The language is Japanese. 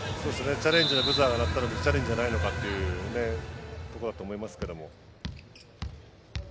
チャレンジのブザーが鳴ったのにチャレンジじゃないのかというところだと思いますが。